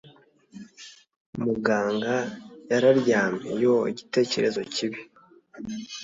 muganga yararyamye! yoo, igitekerezo kibi